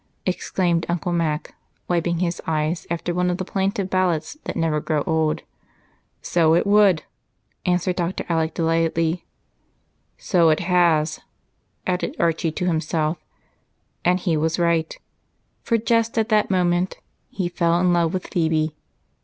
exclaimed Uncle Mac, wiping his eyes after one of the plaintive ballads that never grow old. "So it would!" answered Dr. Alec delightedly. "So it has," added Archie to himself; and he was right, for just at that moment he fell in love with Phebe.